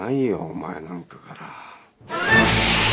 お前なんかから。